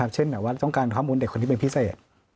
เช่นต้องการข้อมูลเด็กที่เป็นพิเศษ